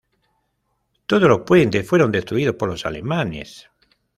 Todos los puentes fueron destruidos por los alemanes.